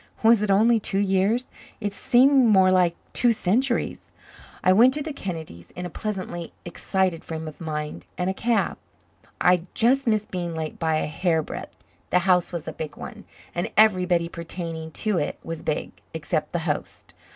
Was it only two years? It seemed more like two centuries. I went to the Kennedys' in a pleasantly excited frame of mind and a cab. I just missed being late by a hairbreadth. The house was a big one, and everybody pertaining to it was big, except the host.